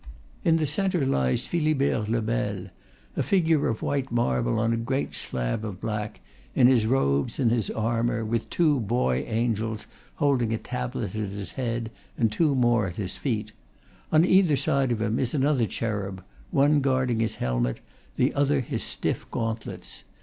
In the centre lies Philibert le Bel, a figure of white marble on a great slab of black, in his robes and his armor, with two boy angels holding a tablet at his head, and two more at his feet. On either side of him is another cherub: one guarding his helmet, the other his stiff gauntlets.